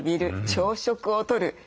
朝食をとる。